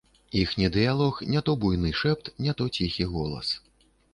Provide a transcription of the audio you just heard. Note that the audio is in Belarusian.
Іхні дыялог не то буйны шэпт, не то ціхі голас.